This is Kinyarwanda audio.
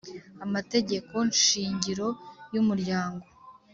Amategekoshingiro Y Umuryango